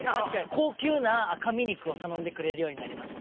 高級な赤身肉を頼んでくれるようになりました。